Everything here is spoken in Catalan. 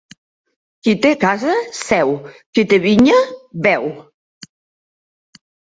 Qui té casa, seu; qui té vinya, beu.